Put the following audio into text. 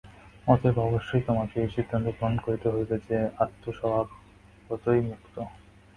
অতএব অবশ্যই তোমাকে এই সিদ্ধান্ত গ্রহণ করিতে হইবে যে, আত্মা স্বভাবতই মুক্ত।